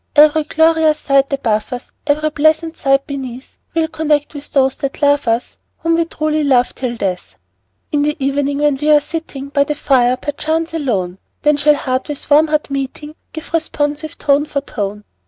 Every glorious sight above us, Every pleasant sight beneath, We'll connect with those that love us, Whom we truly love till death! In the evening, when we're sitting By the fire, perchance alone, Then shall heart with warm heart meeting, Give responsive tone for tone.